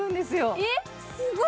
えっ、すごい。